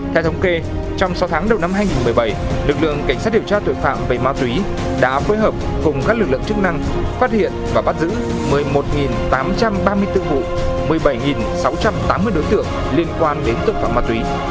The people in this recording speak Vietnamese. theo thống kê trong sáu tháng đầu năm hai nghìn một mươi bảy lực lượng cảnh sát điều tra tội phạm về ma túy đã phối hợp cùng các lực lượng chức năng phát hiện và bắt giữ một mươi một tám trăm ba mươi bốn vụ một mươi bảy sáu trăm tám mươi đối tượng liên quan đến tội phạm ma túy